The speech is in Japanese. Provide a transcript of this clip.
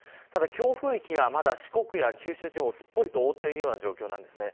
強風域はまだ四国や九州地方をすっぽりと覆っている状況です。